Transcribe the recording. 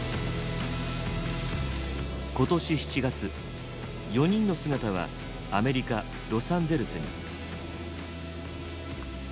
今年７月４人の姿はアメリカロサンゼルスに。